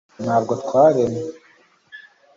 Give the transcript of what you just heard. ntabwo twaremye